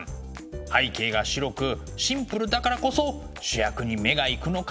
背景が白くシンプルだからこそ主役に目が行くのかもしれません。